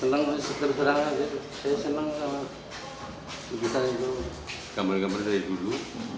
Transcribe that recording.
tentang seterusnya saya senang kalau lukisan itu gambar gambar dari dulu